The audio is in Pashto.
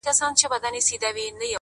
خداى دي كړي خير ياره څه سوي نه وي _